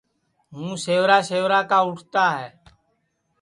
ہوں سیورا سیورا کا اُٹھتا ہے